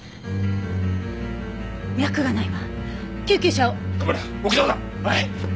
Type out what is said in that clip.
はい！